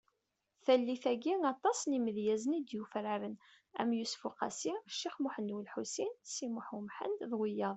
Tallit-agi, aṭas n yimedyazen i d-yufraren am Yusef Uqasi , Cix Muhend Ulḥusin Si Muḥend Umḥend d wiyaḍ .